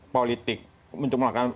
politik untuk menguatkan